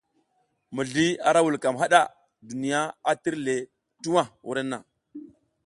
Mizli ara vulkam hada, duniya a tir le tuwa wurenna.